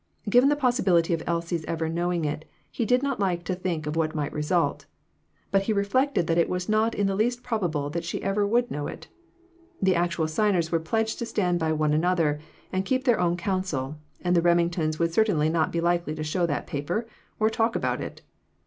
Given the possibility of Elsie's ever knowing it, and he did not like to think of what might result. But he reflected that it was not in the least probable she would ever know it. The actual signers were pledged to stand by one another and keep their own council ; and the Remingtons would certainly not be likely to show the paper, or talk about it